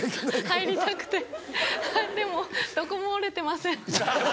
入りたくてでもどこも折れてません。